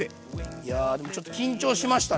いやでもちょっと緊張しましたね。